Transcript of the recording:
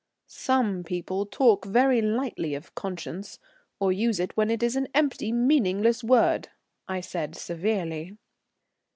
"Some people talk very lightly of conscience, or use it when it is an empty meaningless word," I said severely.